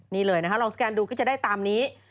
นี่เลยนะคะลองสแกนดูก็จะได้ตามนี้